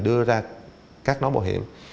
quy cướp tài sản